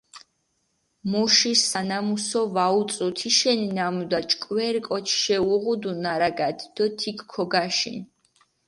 მუში სანამუსო ვაუწუ, თეშენი ნამუდა ჭკვერი კოჩიშე უღუდუ ნარაგადჷ დო თიქჷ ქოგაშინჷ.